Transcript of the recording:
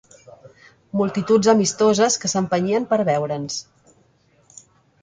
Multituds amistoses que s'empenyien per veure'ns